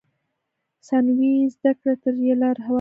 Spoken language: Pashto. ثانوي زده کړو ته یې لار هواره کړه.